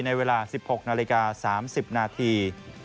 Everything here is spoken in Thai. ในเวลา๑๖นาฬิกา๓๐นาที